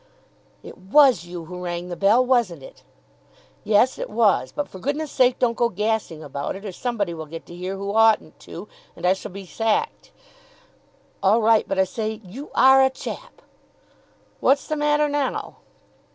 "It was you who rang the bell, wasn't it?" "Yes, it was. But for goodness sake don't go gassing about it, or somebody will get to hear who oughtn't to, and I shall be sacked." "All right. But, I say, you are a chap!" "What's the matter now?"